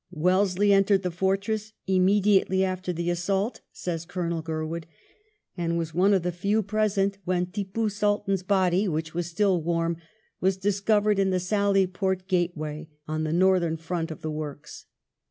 Wellesley entered the fortress " immediately after the assault," says Colonel Gurwood, " and was one of the few present when Tippoo Sultan's 44 WELLINGTON body, which was still warm, was discovered in the sally port gateway," on the northern front of the works.